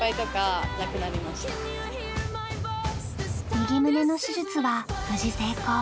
右胸の手術は無事成功。